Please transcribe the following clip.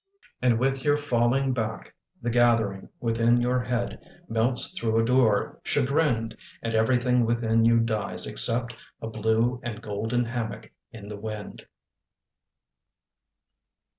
... And with your falling back, the gathering Within your head melts through a door, chagrined. And everything within you dies except A blue and golden hammock in the wind.